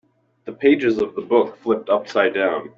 The pages of the book flipped upside down.